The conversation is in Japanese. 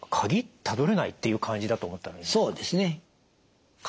たどれない」っていう感じだと思ったらいいんでしょうか？